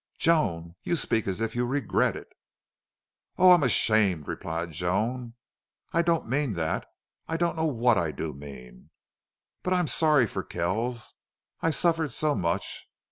"Joan! You speak as if you regret it!" "Oh, I am ashamed," replied Joan. "I don't mean that. I don't know what I do mean. But still I'm sorry for Kells. I suffered so much....